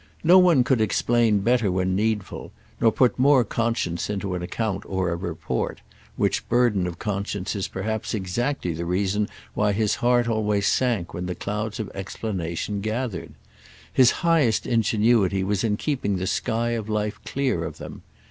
No one could explain better when needful, nor put more conscience into an account or a report; which burden of conscience is perhaps exactly the reason why his heart always sank when the clouds of explanation gathered. His highest ingenuity was in keeping the sky of life clear of them.